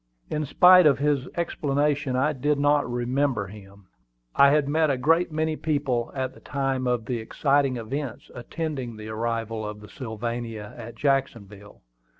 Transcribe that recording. In spite of his explanation I did not remember him. I had met a great many people at the time of the exciting events attending the arrival of the Sylvania at Jacksonville.